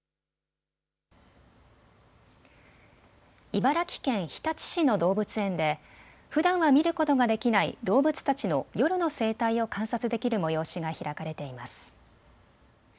茨城県日立市の動物園でふだんは見ることができない動物たちの夜の生態を観察できる催しが開かれています。